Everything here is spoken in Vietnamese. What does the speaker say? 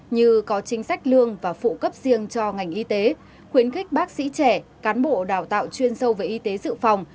như có chính sách lương và phụ cấp riêng cho ngành y tế khuyến khích bác sĩ trẻ cán bộ đào tạo chuyên sâu về y tế dự phòng